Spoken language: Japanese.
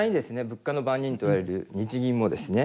物価の番人といわれる日銀もですね